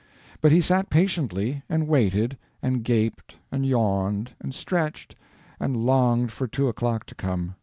But he sat patiently, and waited, and gaped, and yawned, and stretched, and longed for two o'clock to come.